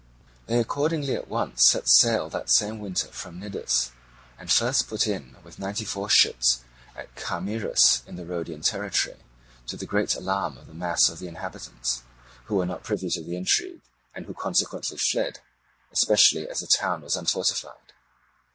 They accordingly at once set sail that same winter from Cnidus, and first put in with ninety four ships at Camirus in the Rhodian country, to the great alarm of the mass of the inhabitants, who were not privy to the intrigue, and who consequently fled, especially as the town was unfortified.